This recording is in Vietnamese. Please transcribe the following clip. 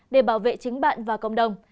để bảo vệ chính bạn và các bạn